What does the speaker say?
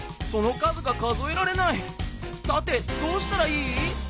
さてどうしたらいい？